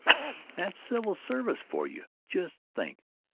That's civil service for you. Just think!